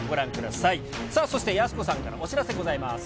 さあ、そしてやす子さんからお知らせございます。